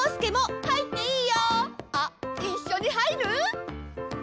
あっいっしょにはいる？